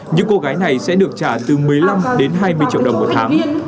những cô gái này sẽ được trả từ một mươi năm đến hai mươi triệu đồng một tháng